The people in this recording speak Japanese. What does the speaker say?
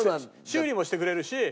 修理もしてくれるし。